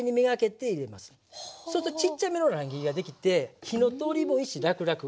そうするとちっちゃめの乱切りができて火の通りもいいしらくらく。